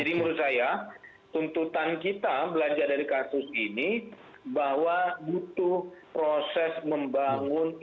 jadi menurut saya tuntutan kita belajar dari kasus ini bahwa butuh proses membangun integritas penegakan hukum kita